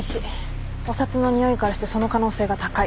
お札のにおいからしてその可能性が高い。